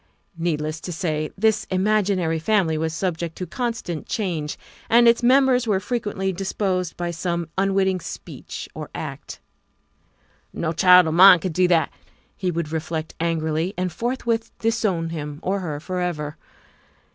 280 THE WIFE OF Needless to say, this imaginary family was subject to constant change, and its members were frequently de posed by some unwitting speech or act. " No child of mine could do that," he would reflect angrily, and forthwith disown him or her forever.